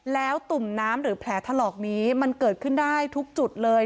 แล้วตุ่มน้ำหรือแผลถลอกนี้มันเกิดขึ้นได้ทุกจุดเลย